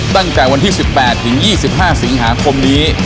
ตั้งแต่วันที่๑๘ถึง๒๕สิงหาคมนี้